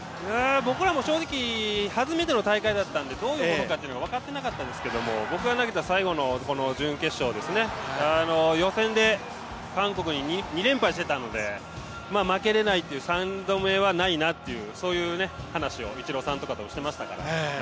僕らも正直初めての大会だったので分かっていなかったですけど、僕が投げた最後の準決勝、予選で韓国に２連敗していたので負けられないという、３度目はないなという、そういう話をイチローさんとかとしていましたから。